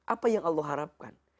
apa yang allah harapkan